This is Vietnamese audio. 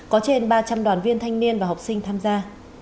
có trên ba trăm linh đoàn viên thanh niên và học sinh tham gia